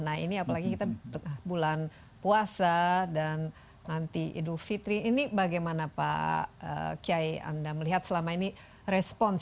nah ini apalagi kita bulan puasa dan nanti idul fitri ini bagaimana pak kiai anda melihat selama ini respons